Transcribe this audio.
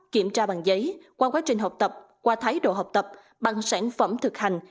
kiểm tra bằng giấy qua quá trình học tập qua thái độ học tập bằng sản phẩm thực hành